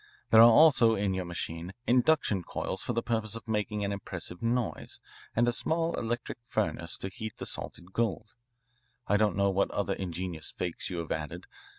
There are also in your machine induction coils for the purpose of making an impressive noise, and a small electric furnace to heat the salted gold. I don't know what other ingenious fakes you have added.